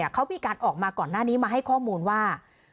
เขามีการออกมาก่อนหน้านี้มาให้ข้อมูลว่า